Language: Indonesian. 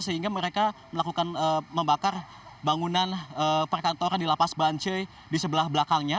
sehingga mereka melakukan membakar bangunan perkantoran di lapas bancai di sebelah belakangnya